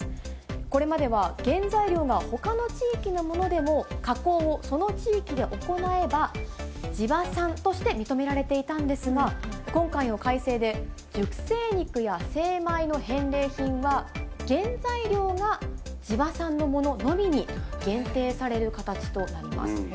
これまでは原材料がほかの地域のものでも、加工をその地域で行えば、地場産として認められていたんですが、今回の改正で、熟成肉や精米の返礼品は、原材料が地場産のもののみに限定される形となります。